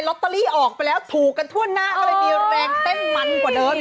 ตเตอรี่ออกไปแล้วถูกกันทั่วหน้าก็เลยมีแรงเต้นมันกว่าเดิม